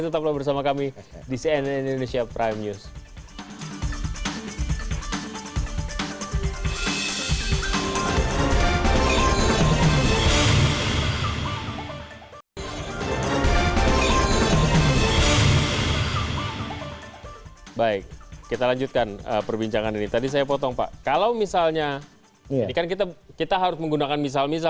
tetaplah bersama kami di cnn indonesia prime news